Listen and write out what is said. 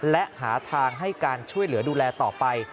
และหาทางให้การช่วยเหลือดูแลต่อไป